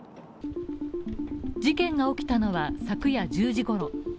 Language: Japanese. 事件が起きたのは昨夜１０時ごろ。